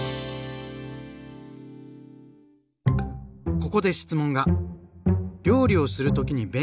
ここで質問が！